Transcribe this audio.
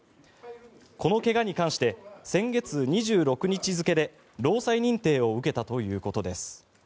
この怪我に関して先月２６日付で労災認定を受けたということです。